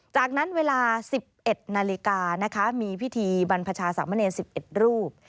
จากนั้นเวลา๑๑นาฬิกานะคะมีพิธีบรรพชาสามเณร๑๑รูป